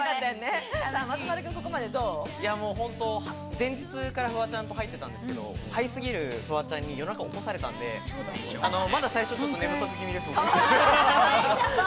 前日からフワちゃんと入ってたんですけど、ハイすぎるフワちゃんに夜中起こされたんで、まだ最初、寝不足気味です。